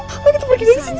apa kita pergi dari sini